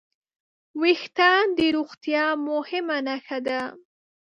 وېښتيان د روغتیا مهمه نښه ده.